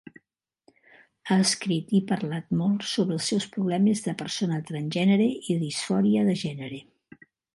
Ha escrit i parlat molt sobre els seus problemes de persona transgènere i disfòria de gènere.